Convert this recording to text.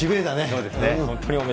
そうですね。